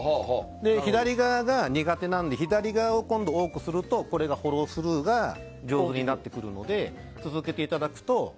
左側が苦手なので左側を多くするとフォロースルーが上手になってくるので続けていただくと。